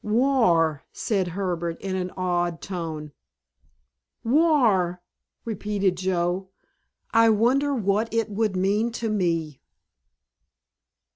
"War!" said Herbert in an awed tone. "War!" repeated Joe; "I wonder what it would mean to me?"